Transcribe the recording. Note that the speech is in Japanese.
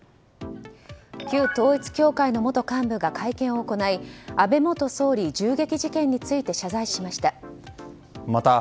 旧統一教会の元幹部が会見を行い安倍元総理銃撃事件について謝罪しました。